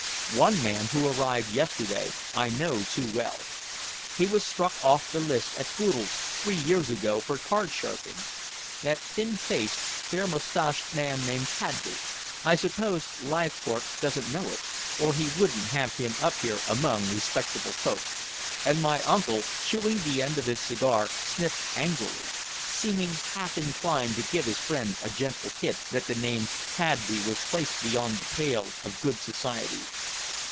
"One man, who arrived yesterday, I know too well. He was struck off the list at Boodle's three years ago for card sharping that thin faced, fair mustached man named Cadby. I suppose Leithcourt doesn't know it, or he wouldn't have him up here among respectable folk." And my uncle, chewing the end of his cigar, sniffed angrily, seeming half inclined to give his friend a gentle hint that the name Cadby was placed beyond the pale of good society.